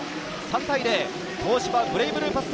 ３対０、東芝ブレイブルーパス